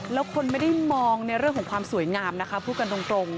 แล้วคนไม่ได้มองในเรื่องของความสวยงามนะคะพูดกันตรง